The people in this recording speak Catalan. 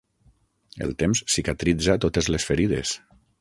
El temps cicatritza totes les ferides.